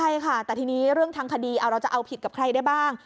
ใช่ค่ะแต่ทีนี้เรื่องทางคดีเราจะเอาผิดกับใครได้บ้าง